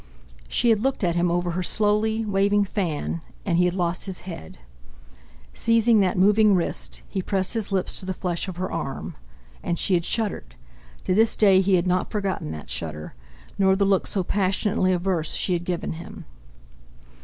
She had looked at him over her slowly waving fan; and he had lost his head. Seizing that moving wrist, he pressed his lips to the flesh of her arm. And she had shuddered—to this day he had not forgotten that shudder—nor the look so passionately averse she had given him.